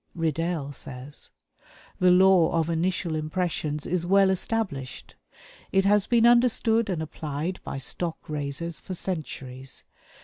Riddell says: "The law of initial impressions is well established. It has been understood and applied by stock raisers for centuries.